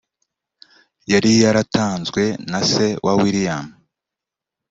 yari yaratanzwe na se wa William